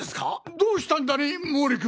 どうしたんだね毛利君。